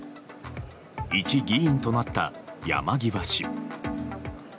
一議員となった山際氏。